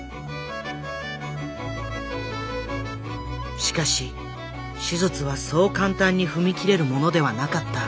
しかし手術はそう簡単に踏み切れるものではなかった。